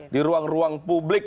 di ruang ruang publik